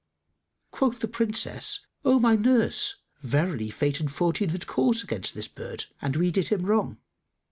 Quoth the Princess, "O my nurse, verily, Fate and Fortune had course against this bird, and we did him wrong."